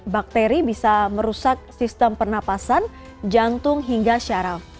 bakteri bisa merusak sistem pernapasan jantung hingga syaraf